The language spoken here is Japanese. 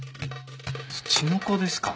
ツチノコですか？